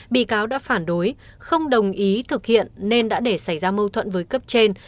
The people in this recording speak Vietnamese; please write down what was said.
bị cáo đã phản đối không đồng ý thực hiện nên đã để xảy ra mâu thuẫn với cấp trên